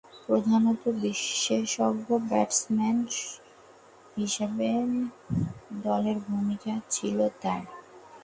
প্রধানতঃ বিশেষজ্ঞ ব্যাটসম্যান হিসেবেই দলে ভূমিকা ছিল তার।